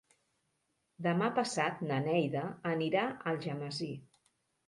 Demà passat na Neida anirà a Algemesí.